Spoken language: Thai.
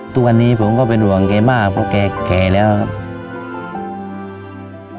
ทุกวันนี้ผมก็เป็นห่วงแกมากเพราะแกแก่แล้วครับ